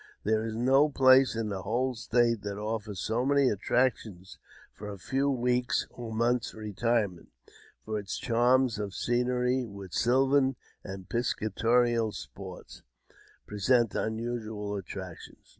There is no place in the whole state that offers so many attractions for a few weeks' or months' retirement ; for its charms of scenery, with sylvan and piscatorial sports, present unusual attractions.